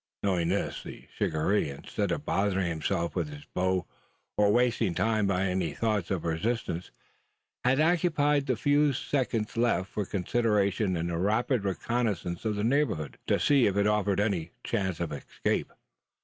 Knowing this, the shikaree, instead of bothering himself with his bow, or wasting time by any thoughts of resistance, had occupied the few seconds left for consideration in a rapid reconnoissance of the neighbourhood to see if it offered any chance of escape.